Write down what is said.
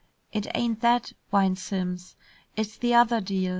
"It ain't that," whined Simms. "It's the other deal.